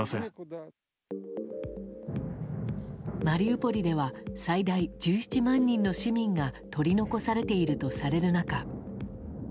マリウポリでは最大１７万人の市民が取り残されているとされる中。